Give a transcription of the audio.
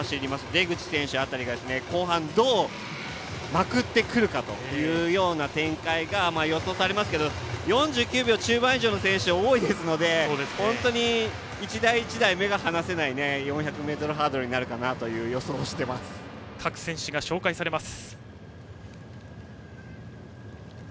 出口選手辺りが後半、どうまくってくるかという展開が予想されますが４０秒中盤以降の選手が多いので１台１台、目が離せない４００ｍハードルになるかなと各選手が紹介されます。